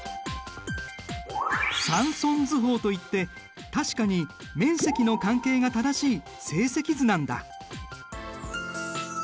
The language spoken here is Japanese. サンソン図法といって確かに面積の関係が正しい正積図なんだ。